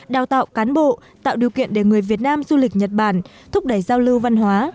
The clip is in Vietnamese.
đào tạo cán bộ tạo điều kiện để người việt nam du lịch nhật bản thúc đẩy giao lưu văn hóa